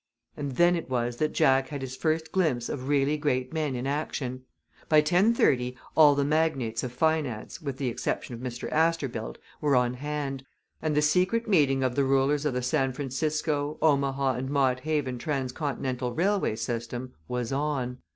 And then it was that Jack had his first glimpse of really great men in action. By ten thirty all the magnates of finance, with the exception of Mr. Asterbilt, were on hand, and the secret meeting of the rulers of the San Francisco, Omaha & Mott Haven Transcontinental Railway System was on.